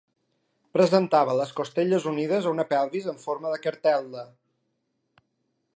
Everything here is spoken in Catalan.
Presentava les costelles unides a una pelvis en forma de cartel·la.